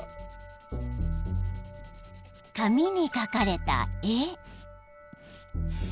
［紙に描かれた絵］